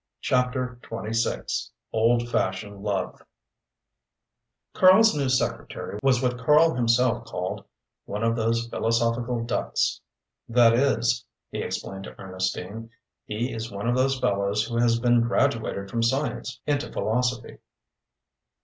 CHAPTER XXVI OLD FASHIONED LOVE Karl's new secretary was what Karl himself called "one of those philosophical ducks." "That is," he explained to Ernestine, "he is one of those fellows who has been graduated from science into philosophy."